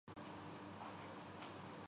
کسی کو بہترین تلاش کرنے پر اسے ایوارڈ دیں